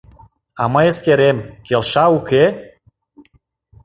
А мый эскерем — келша, уке?